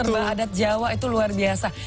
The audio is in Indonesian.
serba adat jawa itu luar biasa